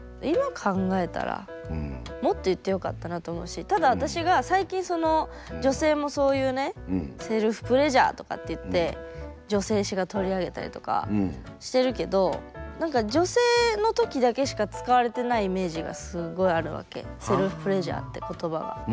今考えたらもっと言ってよかったなと思うしただ私が最近その女性もそういうねセルフプレジャーとかっていって女性誌が取り上げたりとかしてるけど何か女性の時だけしか使われてないイメージがすごいあるわけセルフプレジャーって言葉が。